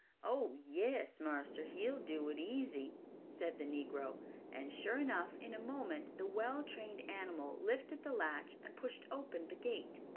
"Oh, yes, marster, he'll do it easy," said the negro; and sure enough, in a moment the well trained animal lifted the latch and pushed open the gate!